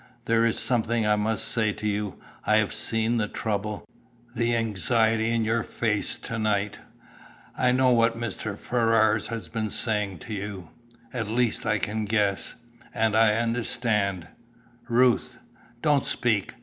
There is something I must say to you. I have seen the trouble, the anxiety in your face to night. I know what Mr. Ferrars has been saying to you; at least I can guess, and I understand." "Ruth!" "Don't speak.